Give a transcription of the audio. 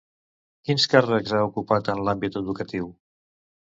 Quins càrrecs ha ocupat en l'àmbit educatiu?